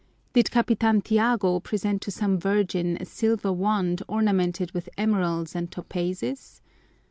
Did Capitan Tiago present to some Virgin a silver wand ornamented with emeralds and topazes?